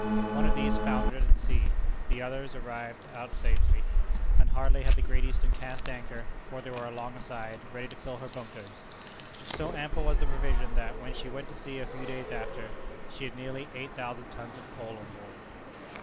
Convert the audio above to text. One of these foundered at sea; the others arrived out safely, and hardly had the Great Eastern cast anchor before they were alongside, ready to fill her bunkers. So ample was the provision, that, when she went to sea a few days after, she had nearly eight thousand tons of coal on board.